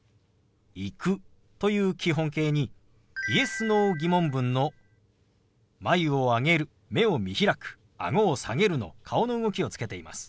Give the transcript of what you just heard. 「行く」という基本形にＹｅｓ−Ｎｏ疑問文の眉を上げる目を見開くあごを下げるの顔の動きをつけています。